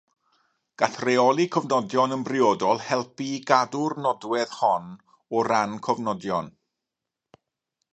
Gall rheoli cofnodion yn briodol helpu i gadw'r nodwedd hon o ran cofnodion.